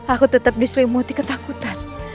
aku tetap diselimuti ketakutan